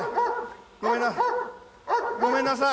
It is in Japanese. ごめんなさい。